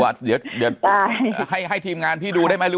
ภาพเลี้ยงถึงพี่ดูได้ไหมหรือให้พี่ดูคนเดียว